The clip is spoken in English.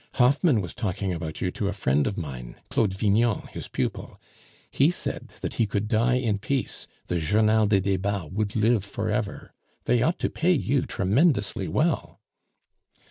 Hoffmann was talking about you to a friend of mine, Claude Vignon, his pupil; he said that he could die in peace, the Journal des Debats would live forever. They ought to pay you tremendously well."